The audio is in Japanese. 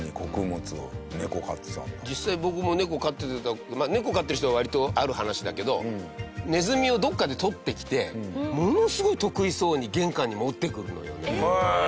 いとう：実際、僕も猫飼ってて猫飼ってる人は割りと、ある話だけどネズミをどっかでとってきてものすごい得意そうに玄関に持ってくるのよね。